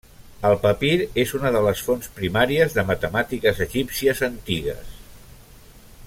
El papir és una de les fonts primàries de matemàtiques egípcies antigues.